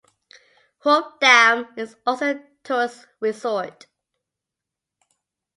Hub Dam is also a tourist resort.